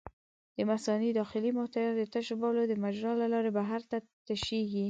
د مثانې داخلي محتویات د تشو بولو د مجرا له لارې بهر ته تشېږي.